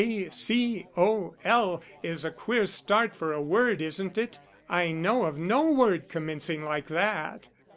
K, C, O, L, is a queer start for a word isn't it? I know of no word commencing like that."